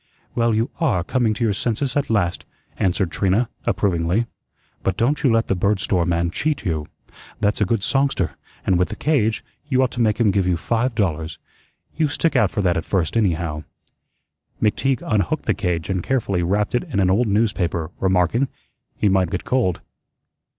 "Well, you ARE coming to your senses at last," answered Trina, approvingly. "But don't you let the bird store man cheat you. That's a good songster; and with the cage, you ought to make him give you five dollars. You stick out for that at first, anyhow." McTeague unhooked the cage and carefully wrapped it in an old newspaper, remarking, "He might get cold.